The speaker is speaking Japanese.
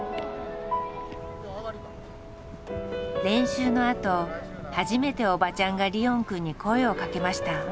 練習のあと初めておばちゃんがリオンくんに声をかけました。